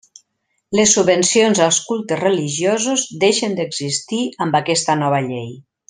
Les subvencions als cultes religiosos deixen d'existir amb aquesta nova llei.